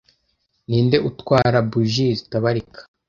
ninde utwara buji zitabarika